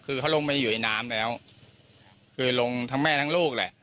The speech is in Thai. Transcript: คือเขาลงไปอยู่ในน้ำแล้วคือลงทั้งแม่ทั้งลูกแหละ